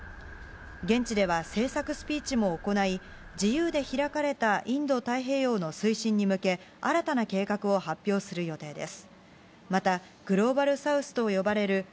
現地では政策スピーチも行い、自由で開かれたインド太平洋の推進に向け、新たな計画を発表する予定です。